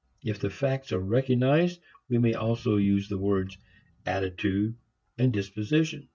If the facts are recognized we may also use the words attitude and disposition.